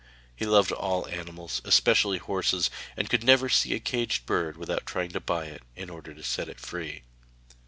He loved all animals, especially horses, and could never see a caged bird without trying to buy it, in order to set it free.